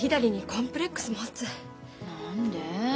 何で？